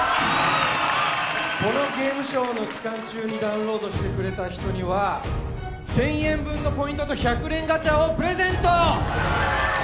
このゲームショーの期間中にダウンロードしてくれた人には１０００円分のポイントと１００連ガチャをプレゼント！